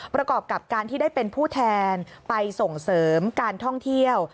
ประกอบกับการที่ได้เป็นผู้แทนไปส่งเสริมการท่องเที่ยว